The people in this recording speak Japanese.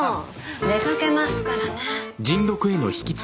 出かけますからね。